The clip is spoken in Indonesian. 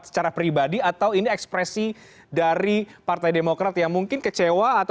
sebelum saya jawab itu bu zg lennart